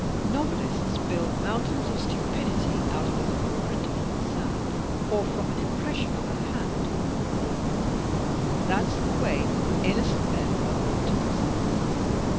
Novelists build mountains of stupidity out of a footprint on the sand, or from an impression of a hand on the wall. That's the way innocent men are brought to prison.